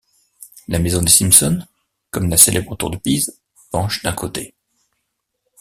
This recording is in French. La maison des Simpson, comme la célèbre tour de Pise, penche d'un côté.